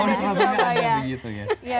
orang surabaya ada begitu ya